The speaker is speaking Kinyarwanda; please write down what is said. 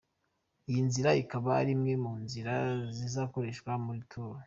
Iyi nzira ikaba ari imwe mu nzira zizakoreshwa muri Tour.